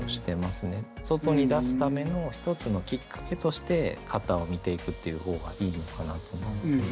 外に出すための一つのきっかけとして型を見ていくっていう方がいいのかなと思いますね。